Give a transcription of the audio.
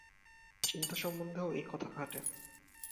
চিন্তা সম্বন্ধেও এই কথা খাটে।